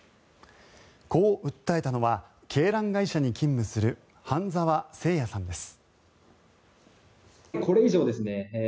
こう訴えたのは鶏卵会社に勤務する半澤清哉さんです。